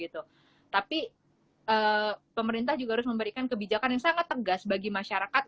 tapi pemerintah juga harus memberikan kebijakan yang sangat tegas bagi masyarakat